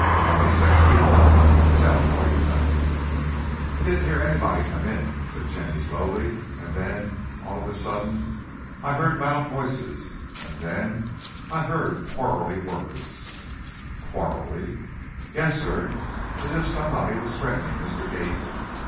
"Come," he said; "speak up. Tell all you know." "I didn't hear anybody come in," said Jenny, slowly; "and then, all of a sudden, I heard loud voices, and then, I heard quarrelly words " "Quarrelly?" "Yes, sir, as if somebody was threatening Mr. Gately.